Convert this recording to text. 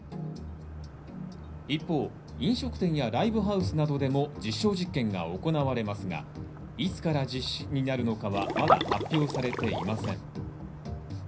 一方、飲食店やライブハウスなどでも実証実験が行われますが、いつから実施になるのかはまだ発表されていません。